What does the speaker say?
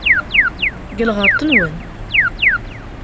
Deg lɣeṛḍ-nwen!